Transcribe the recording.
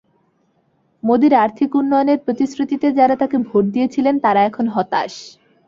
মোদির আর্থিক উন্নয়নের প্রতিশ্রুতিতে যাঁরা তাঁকে ভোট দিয়েছিলেন, তাঁরা এখন হতাশ।